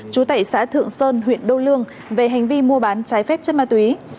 chú tẩy xã thượng sơn huyện đô lương về hành vi mua bán trái phép chất ma túy